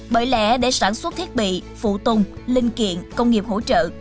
bởi lẽ để sản xuất thiết bị phụ tùng linh kiện công nghiệp hỗ trợ